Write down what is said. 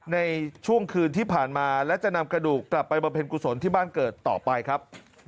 ในช่วงคืนที่ผ่านมาและจะนำกระดูกกลับไปบำเพ็ญกุศลที่บ้านเกิดต่อไปครับ